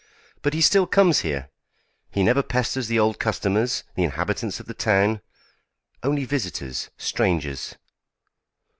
But he still comes here. He never pesters the old customers, the inhabitants of the town only visitors, strangers."